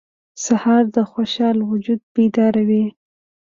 سهار د خوشحال وجود بیداروي.